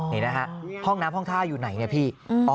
นี่นะฮะห้องน้ำห้องท่าอยู่ไหนเนี่ยพี่